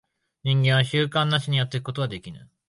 人間は習慣なしにやってゆくことができぬ。